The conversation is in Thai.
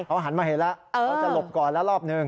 เขาหันมาเห็นแล้วเขาจะหลบก่อนแล้วรอบหนึ่ง